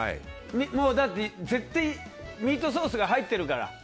だって絶対ミートソースが入ってるから。